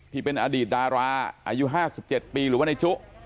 ที่เป็นอดีตดาราอายุ๕๗ปีหรือว่าในจุ